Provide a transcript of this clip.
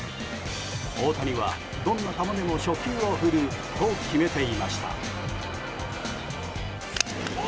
大谷はどんな球でも初球を振ると決めていました。